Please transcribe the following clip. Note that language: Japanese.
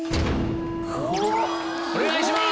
お願いします。